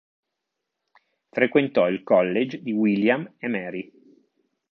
Frequentò il college di William e Mary.